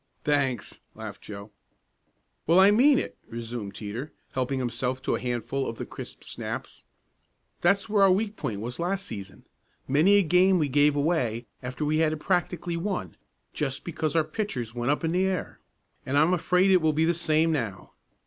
"Thanks!" laughed Joe. "Well, I mean it," resumed Teeter, helping himself to a handful of the crisp snaps. "That's where our weak point was last season. Many a game we gave away after we had it practically won, just because our pitchers went up in the air. And I'm afraid it'll be the same now.